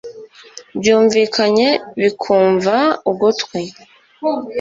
byumvikanye bikunva ugutwi